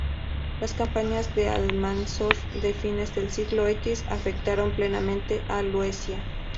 Las campañas de Almanzor de fines del siglo X afectaron plenamente a Luesia.